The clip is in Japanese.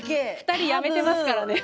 ２人やめてますからね。